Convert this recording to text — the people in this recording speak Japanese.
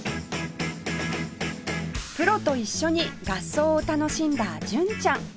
プロと一緒に合奏を楽しんだ純ちゃん